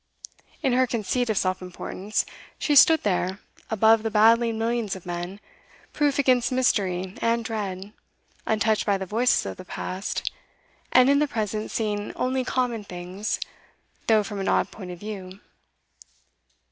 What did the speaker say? In her conceit of self importance, she stood there, above the battling millions of men, proof against mystery and dread, untouched by the voices of the past, and in the present seeing only common things, though from an odd point of view.